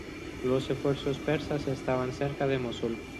Los refuerzos persas estaban cerca de Mosul.